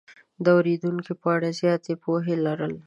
د اورېدونکو په اړه د زیاتې پوهې لرل